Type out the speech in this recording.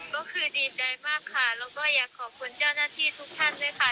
ก็คือดีใจมากค่ะแล้วก็อยากขอบคุณเจ้าหน้าที่ทุกท่านด้วยค่ะ